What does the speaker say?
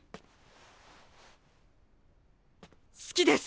好きです！